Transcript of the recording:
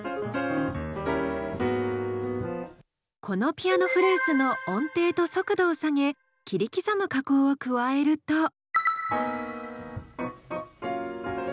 このピアノフレーズの音程と速度を下げ切り刻む加工を加えると。